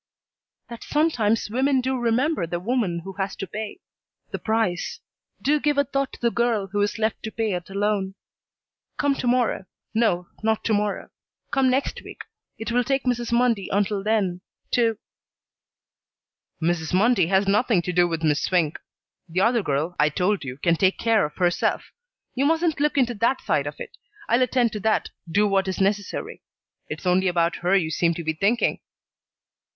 "That sometimes women do remember the woman who has to pay the price; do give a thought to the girl who is left to pay it alone. Come to morrow no, not to morrow. Come next week. It will take Mrs. Mundy until then to " "Mrs. Mundy has nothing to do with Miss Swink. The other girl, I told you, can take care of herself. You mustn't look into that side of it. I'll attend to that, do what is necessary. It's only about her you seem to be thinking."